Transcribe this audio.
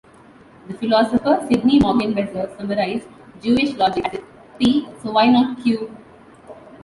The philosopher Sidney Morgenbesser summarised Jewish logic as If P, so why not Q?